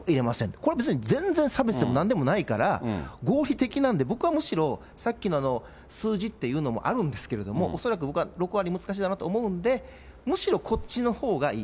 これ、別に全然差別でもないから、合理的なんで、僕はむしろ、さっきの数字っていうのもあるんですけれども、恐らく僕は６割難しいなと思うんで、むしろこっちのほうがいい。